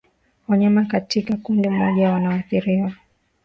wanyama katika kundi moja wanaoathiriwa